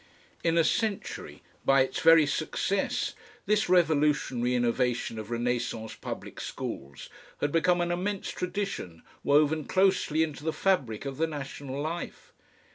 In a century, by its very success, this revolutionary innovation of Renascence public schools had become an immense tradition woven closely into the fabric of the national life.